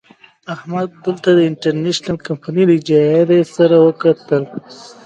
احمد د دلتا انټرنشنل کمينۍ له اجرائیوي رئیس سره وکتل.